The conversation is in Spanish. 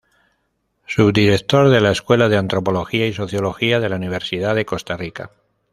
Subdirector de la Escuela de Antropología y Sociología de la Universidad de Costa Rica.